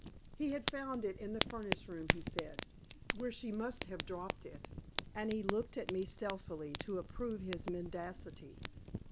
He had found it in the furnace room, he said, where she must have dropped it. And he looked at me stealthily, to approve his mendacity!